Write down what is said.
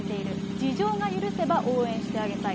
事情が許せば応援してあげたい。